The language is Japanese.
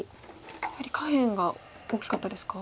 やはり下辺が大きかったですか？